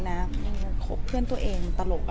มีเพื่อนตัวเองตลกอ๊ะ